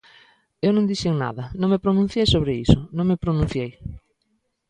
Eu non dixen nada, non me pronunciei sobre iso, non me pronunciei.